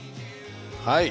はい！